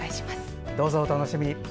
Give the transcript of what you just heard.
どうぞ、お楽しみに。